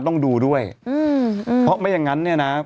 ต้องดูด้วยอืมเพราะไม่อย่างนั้นเนี่ยนะ